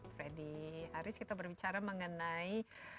freddy haris kita berbicara mengenai